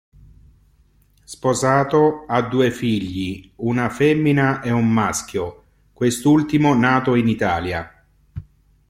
Sposato, ha due figli: una femmina e un maschio, quest'ultimo nato in Italia.